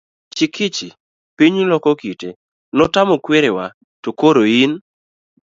Chikichi piny loko kite ,notamo kwerewa, to koro in?